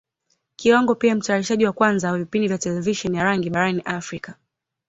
Kiwango pia ni Mtayarishaji wa kwanza wa vipindi vya Televisheni ya rangi barani Africa.